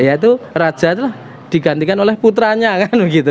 ya itu raja itu lah digantikan oleh putranya kan begitu